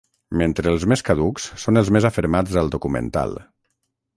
Mentre els més caducs són els més afermats al documental.